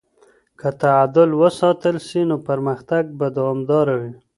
که تعادل وساتل سي نو پرمختګ به دوامداره وي.